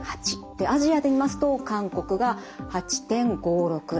アジアで見ますと韓国が８．５６例。